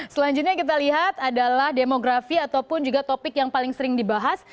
selanjutnya kita lihat adalah demografi ataupun juga topik yang paling sering dibahas